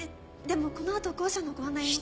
でもこの後校舎のご案内が。